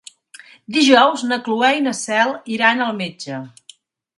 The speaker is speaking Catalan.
Dijous na Cloè i na Cel iran al metge.